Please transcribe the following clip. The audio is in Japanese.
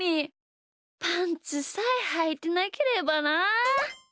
パンツさえはいてなければなあ。